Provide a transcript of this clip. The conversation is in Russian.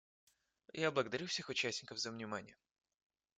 Я благодарю всех участников за внимание.